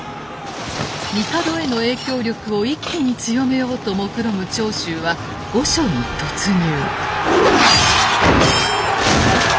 帝への影響力を一気に強めようともくろむ長州は御所に突入。